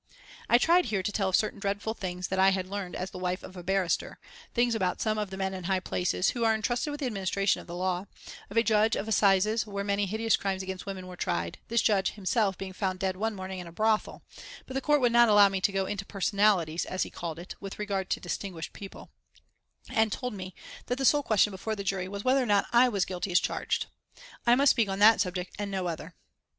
I tried here to tell of certain dreadful things that I had learned as the wife of a barrister, things about some of the men in high places who are entrusted with the administration of the law, of a judge of Assizes where many hideous crimes against women were tried, this judge himself being found dead one morning in a brothel, but the Court would not allow me to go into personalities, as he called it, with regard to "distinguished people," and told me that the sole question before the jury was whether or not I was guilty as charged. I must speak on that subject and on no other.